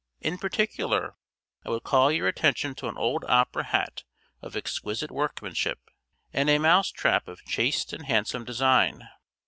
In particular I would call your attention to an old opera hat of exquisite workmanship, and a mouse trap of chaste and handsome design.